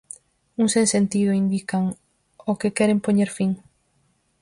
Un sen sentido, indican, ao que queren poñer fin.